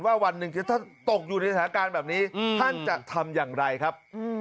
วันหนึ่งที่ท่านตกอยู่ในสถานการณ์แบบนี้ท่านจะทำอย่างไรครับ